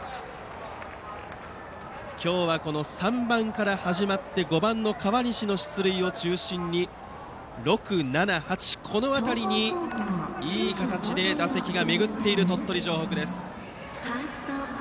今日は３番から始まって５番の河西の出塁を中心に６、７、８とこの辺りに、いい形で打席が巡っている鳥取城北です。